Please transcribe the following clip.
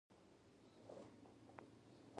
د کابل هوا ولې ککړه ده؟